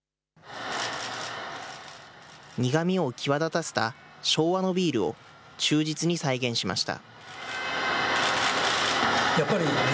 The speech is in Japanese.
苦みを際立たせた昭和のビールを忠実に再現しました。